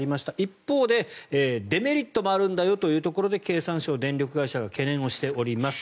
一方でデメリットもあるんだよというところで経産省、電力会社が懸念しております。